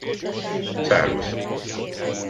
Szervusz!